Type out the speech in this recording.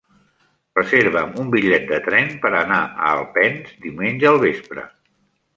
Reserva'm un bitllet de tren per anar a Alpens diumenge al vespre.